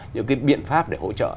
những biện pháp để hỗ trợ